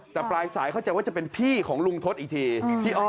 แต่ปลายสายเข้าใจว่าจะเป็นพี่ของลุงทศอีกทีพี่อ้อ